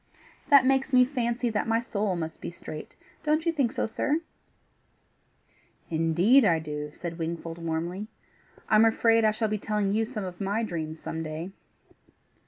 That makes me fancy my soul must be straight. Don't you think so, sir?" "Indeed I do," said Wingfold warmly. "I'm afraid I shall be telling you some of my dreams some day."